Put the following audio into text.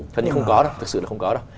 thật sự là không có đâu